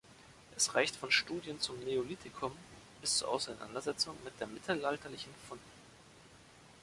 Es reicht von Studien zum Neolithikum bis zur Auseinandersetzung mit mittelalterlichen Funden.